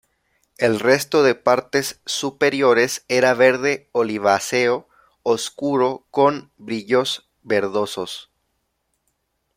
El resto de partes superiores era verde oliváceo oscuro con brillos verdosos.